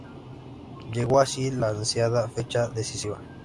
Llegó así la ansiada fecha decisiva.